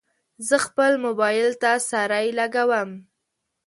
زه خپل موبایل ته سرۍ لګوم.